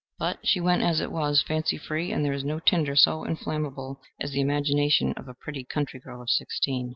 But she went, as it was, fancy free, and there is no tinder so inflammable as the imagination of a pretty country girl of sixteen.